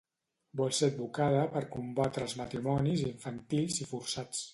Vol ser advocada per combatre els matrimonis infantils i forçats.